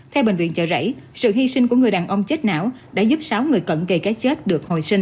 theo bệnh viện chợ rẫy sự hy sinh của người đàn ông chết não đã giúp sáu người cận gây cái chết được hồi sinh